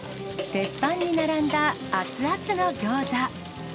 鉄板に並んだ熱々のギョーザ。